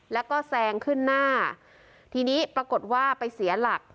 แล้วก็แซงขึ้นหน้าทีนี้ปรากฏว่าไปเสียหลัก